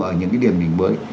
ở những cái điểm dịch mới